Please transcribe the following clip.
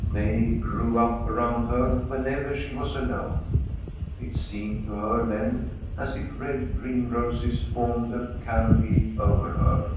They grew up around her whenever she was alone. It seemed to her then as if red dream roses formed a canopy over her.